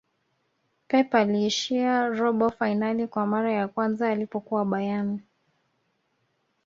pep aliishia robo fainali kwa mara ya kwanza alipokuwa bayern